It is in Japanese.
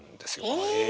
へえ。